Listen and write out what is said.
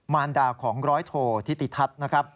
มาลดาของร้อยโททิติทัศน์